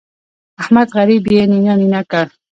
احمد غريب يې نينه نينه کړ.